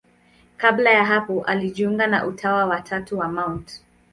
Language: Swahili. Kabla ya hapo alijiunga na Utawa wa Tatu wa Mt.